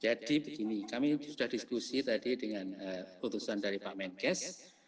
jadi begini kami sudah diskusi tadi dengan putusan dari pak menkes